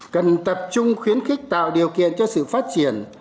cần tập trung khuyến khích tạo điều kiện cho sự phát triển